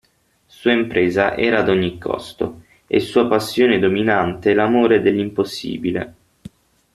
Sua impresa era ad ogni costo e sua passione dominante l'amore dell'impossibile.